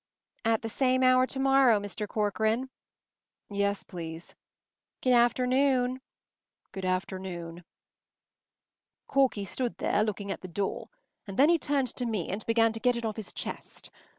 “At the same hour to morrow, Mr. Corcoran?” “Yes, please.” “Good afternoon.” “Good afternoon.” Corky stood there, looking at the door, and then he turned to me and began to get it off his chest.